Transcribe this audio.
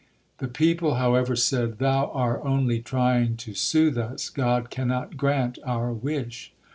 The people, however, said: "Thou are only trying to soothe us; God cannot grant our wish."